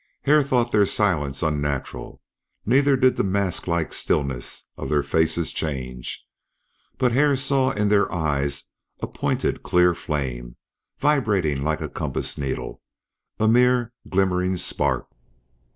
Hare thought their silence unnatural. Neither did the mask like stillness of their faces change. But Hare saw in their eyes a pointed clear flame, vibrating like a compass needle, a mere glimmering spark.